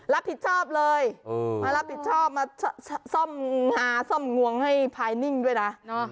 รับผิดชอบเลยมารับผิดชอบมาซ่อมหาซ่อมงวงให้พายนิ่งด้วยนะ